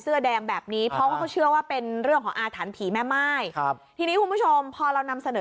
แสเกะแดงว์เชอว่าเป็นเรื่องของอาทรรพีที่นี่คุณผู้ชมพอเรานำสเนอ